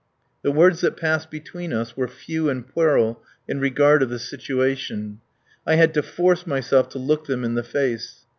The words that passed between us were few and puerile in regard of the situation. I had to force myself to look them in the face.